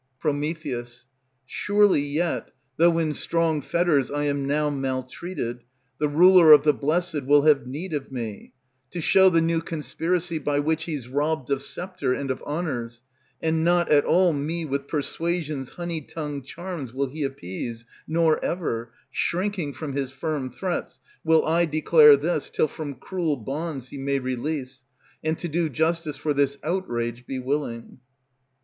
Pr. Surely yet, though in strong Fetters I am now maltreated, The ruler of the blessed will have need of me, To show the new conspiracy by which He's robbed of sceptre and of honors, And not at all me with persuasion's honey tongued Charms will he appease, nor ever, Shrinking from his firm threats, will I Declare this, till from cruel Bonds he may release, and to do justice For this outrage be willing.